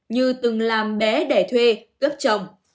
như từng làm bé để thuê cướp chồng